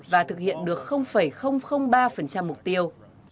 và thực hiện được ba mục tiêu